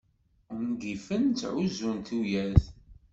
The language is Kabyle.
Ungifen ttɛuzzun tuyat.